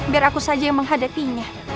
biar aku saja yang menghadapinya